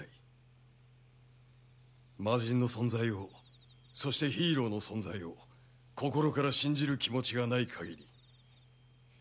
魔人の存在をそしてヒーローの存在を心から信じる気持ちがない限り。